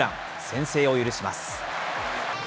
先制を許します。